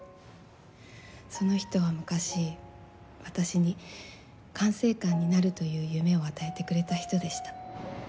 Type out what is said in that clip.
その人は昔私に管制官になるという夢を与えてくれた人でした。